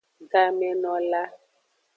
Gomenola.